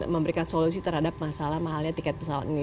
memberikan solusi terhadap masalah mahalnya tiket pesawat ini